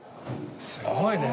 すごいね。